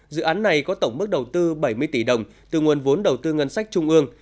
dự án này có tổng mức đầu tư bảy mươi tỷ đồng từ nguồn vốn đầu tư ngân sách trung ương